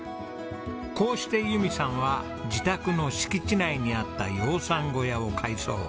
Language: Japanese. こうして由美さんは自宅の敷地内にあった養蚕小屋を改装。